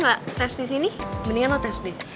jangan nyesel ntar gak tes di sini mendingan lo tes deh